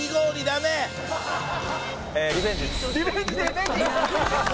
リベンジ！